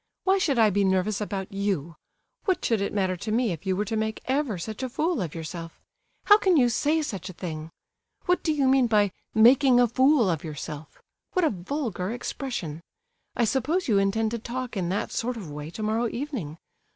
"Why should I be nervous about you? What would it matter to me if you were to make ever such a fool of yourself? How can you say such a thing? What do you mean by 'making a fool of yourself'? What a vulgar expression! I suppose you intend to talk in that sort of way tomorrow evening?